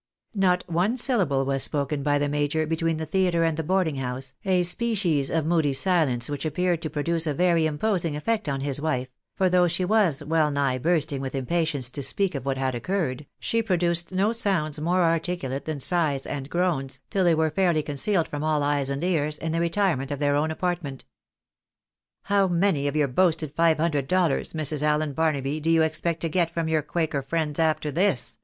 Not one syllable was spoken by the major between the theatre and the boarding house, a species of moody silence which appeared to produce a very imposing effect on his wife j for though she was well nigh bursting with impatience to speak of what had occurred, she produced no sounds more articulate than sighs and groans, till 264 THE BAENABYS IN AMEKICA. they were fairly concealed from all eyes and ears, in the retirement of their own apartment. "How many of your boasted five hundred dollars, Mrs. Allen Barnaby, do you expect to get from your quaker friends after this?"